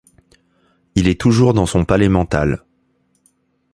Il est toujours dans son palais mental.